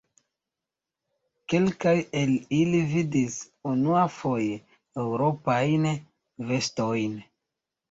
Kelkaj el ili vidis unuafoje Eŭropajn vestojn.